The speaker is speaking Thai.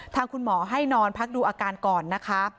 ทางคุณหมอให้นอนพักดูอาการก่อนนะคะ